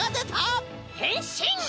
へんしん！